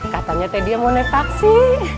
katanya mau naik taksi